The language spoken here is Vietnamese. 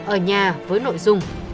ở nhà với nội dung